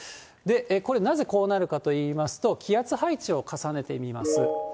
これ、なぜこうなるかといいますと、気圧配置を重ねてみます。